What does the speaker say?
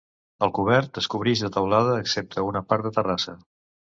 El cobert es cobrix de teulada excepte una part de terrassa.